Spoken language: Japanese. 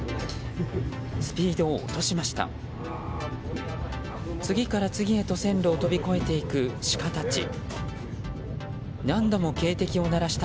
スピードを落としました。